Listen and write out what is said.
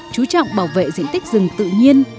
chú trọng bảo vệ diện tích rừng tự nhiên